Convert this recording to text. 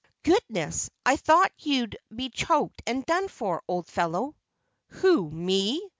"Goodness! I thought you'd be choked and done for, old fellow!" "Who, ME?